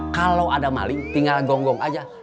kalau ada maling tinggal gonggong aja